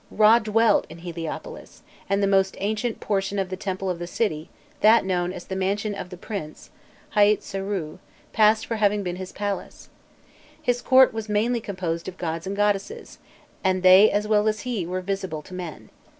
Râ dwelt in Heliopolis, and the most ancient portion of the temple of the city, that known as the "Mansion of the Prince" Haït Sarû, passed for having been his palace. His court was mainly composed of gods and goddesses, and they as well as he were visible to men.